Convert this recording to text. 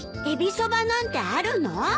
エビそばなんてあるの？